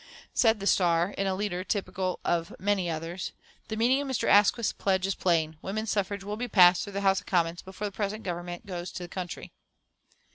Said the Star, in a leader typical of many others: "The meaning of Mr. Asquith's pledge is plain. Woman's suffrage will be passed through the House of Commons before the present Government goes to the country."